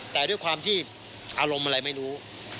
แต่ด้วยความที่อารมณ์อะไรไม่รู้